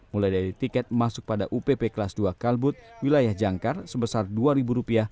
mulai dari tiket masuk pada upp kelas dua kalbut wilayah jangkar sebesar rp dua